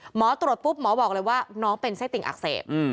หมอตรวจปุ๊บหมอบอกเลยว่าน้องเป็นไส้ติ่งอักเสบ